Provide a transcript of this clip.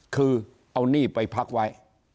คือเอาหนี้ไปพักไว้